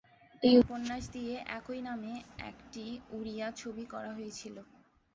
এই উপন্যাস দিয়ে একই নামে একটি ওড়িয়া ছবি করা হয়েছিল।